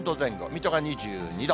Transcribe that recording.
水戸が２２度。